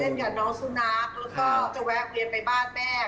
เล่นกับน้องซูนากก็จะแวะเวียนไปบ้านแม่